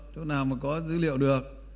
chỗ nào mà có dữ liệu được